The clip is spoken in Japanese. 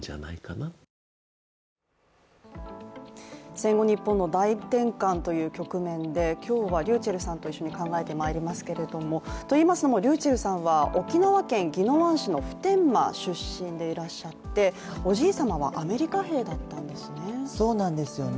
戦後日本の大転換という局面で今日はｒｙｕｃｈｅｌｌさんと一緒に考えていきますけれどもといいますのも、ｒｙｕｃｈｅｌｌさんは沖縄県宜野湾市の普天間出身でいらっしゃっておじい様はアメリカ兵だったんですね。